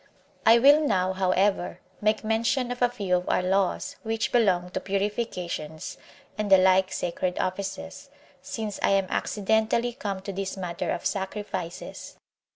1. I Will now, however, make mention of a few of our laws which belong to purifications, and the like sacred offices, since I am accidentally come to this matter of sacrifices.